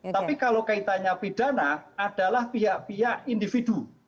tapi kalau kaitannya pidana adalah pihak pihak individu